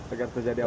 agar terjadi apa